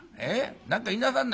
何か言いなさんな。